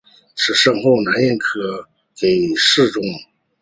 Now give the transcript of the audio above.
此后升任南京兵科给事中。